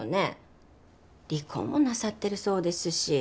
離婚もなさってるそうですし。